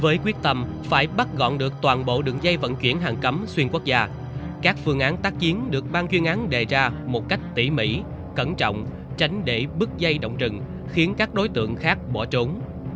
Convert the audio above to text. với quyết tâm phải bắt gọn được toàn bộ đường dây vận chuyển hàng cấm xuyên quốc gia các phương án tác chiến được ban chuyên án đề ra một cách tỉ mỉ cẩn trọng tránh để bức dây động rừng khiến các đối tượng khác bỏ trốn